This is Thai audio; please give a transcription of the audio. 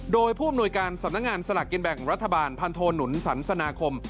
โดยผู้อำนวยการสำนักงานสลากกินแบ่งรัฐบาลพันโทหนุนสันสนาคม